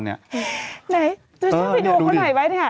ไหนต้องไปดูคนไหนไหม